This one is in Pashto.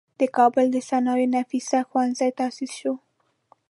د کابل د صنایعو نفیسه ښوونځی تاسیس شو.